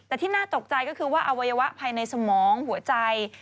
แต่ที่น่าตกใจก็คือว่าอวัยวะภายในสมองหัวใจ